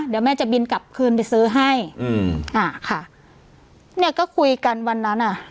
เดี๋ยวแม่จะบินกลับคืนไปซื้อให้อืมอ่าค่ะเนี้ยก็คุยกันวันนั้นอ่ะ